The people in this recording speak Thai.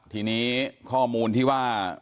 ทีนี้ข้อมูลที่ว่า